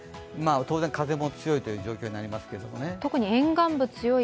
当然、風も強いという状況になりますけど。